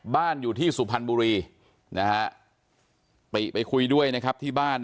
บ้านอยู่ที่สุพรรณบุรีติไปคุยด้วยนะครับที่บ้าน